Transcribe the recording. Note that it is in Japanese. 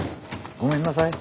ごめんなさい。